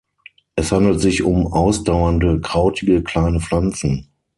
Es handelt sich um ausdauernde, krautige, kleine Pflanzen.